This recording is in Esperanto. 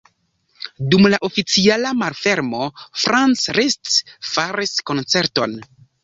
Dum la oficiala malfermo Franz Liszt faris koncerton.